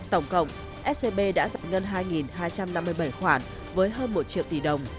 tổng cộng scb đã giải ngân hai hai trăm năm mươi bảy khoản với hơn một triệu tỷ đồng